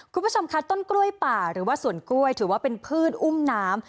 คุณผู้ชมคะต้นกล้วยป่าหรือว่าสวนกล้วยถือว่าเป็นพืชอุ้มน้ำ